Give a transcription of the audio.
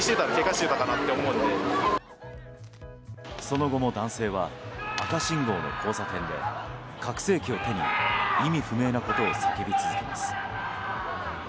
その後も男性は赤信号の交差点で拡声器を手に意味不明なことを叫び続けます。